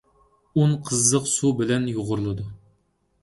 ئۇن قىزىق سۇ بىلەن يۇغۇرۇلىدۇ.